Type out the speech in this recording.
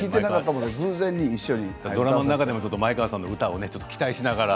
ドラマの中でも前川さんの歌を期待しながら。